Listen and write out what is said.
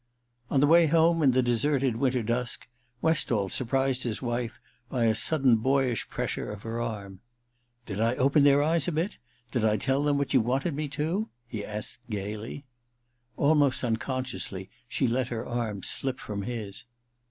On the way home, in the deserted winter dusk, Westall surprised his wife by a sudden boyish pressure of her arm. * Did I open their eyes a bit ? Did I tell them what you wanted me to ?' he asked gaily. 202 THE RECKONING i Almost unconsciously, she let her arm slip from his.